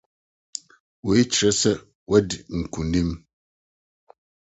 Eyi kyerɛ sɛ wɔadi nkonim?